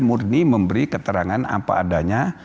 murni memberi keterangan apa adanya